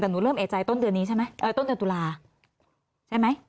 แต่หนูเริ่มเอกใจต้นเดือนนี้ใช่ไหมต้นเดือนตุลาใช่ไหม